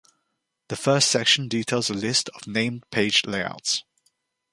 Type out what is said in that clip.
The first section details a list of named page layouts.